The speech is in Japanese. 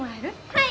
はい。